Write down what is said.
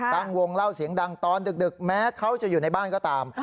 ตั้งวงเล่าเสียงดังตอนดึกแม้เขาจะอยู่ในบ้านก็ตาม